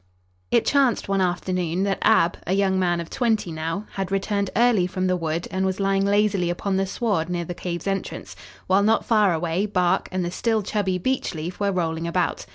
It chanced one afternoon that Ab, a young man of twenty now, had returned early from the wood and was lying lazily upon the sward near the cave's entrance, while, not far away, Bark and the still chubby Beechleaf were rolling about.